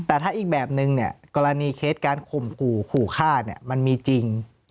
แต่ถ้าอีกแบบนึงเนี่ยกรณีเคสการข่มขู่ขู่ฆ่าเนี่ยมันมีจริง